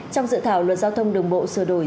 trong dự thảo luật giao thông đường bộ sửa đổi